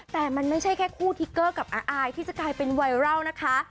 แต่มันไม่ใช่แค่คู่ทิกเกอร์กับอายที่จะกลายเป็นไวรัลนะคะ